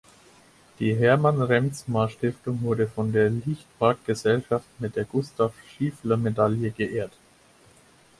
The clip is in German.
Die Hermann-Reemtsma-Stiftung wurde von der Lichtwark-Gesellschaft mit der Gustav-Schiefler-Medaille geehrt.